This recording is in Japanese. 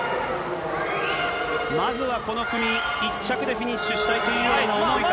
まずはこの組、１着でフィニッシュしたいというような思いが。